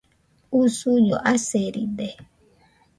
usuño aseride